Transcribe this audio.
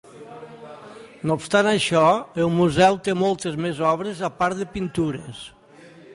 No obstant això, el museu té moltes més obres a part de pintures.